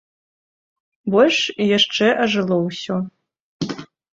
Больш яшчэ ажыло ўсё.